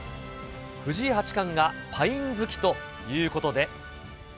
藤井八冠がパイン好きということで。